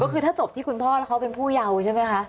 ก็คือถ้าจบที่คุณพ่อแล้วเขาเป็นผู้เยาใช่ไหมคะ